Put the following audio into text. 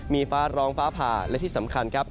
มีฟ้าร้องฟ้าผ่าและที่สำคัญครับ